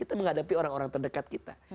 kita menghadapi orang orang terdekat kita